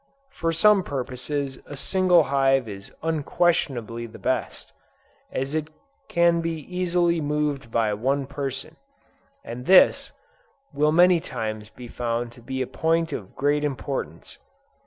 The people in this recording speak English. For some purposes a single hive is unquestionably the best, as it can be easily moved by one person; and this, will many times be found to be a point of great importance.